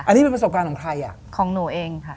อันนี้เป็นประสบการณ์ของใครอ่ะของหนูเองค่ะ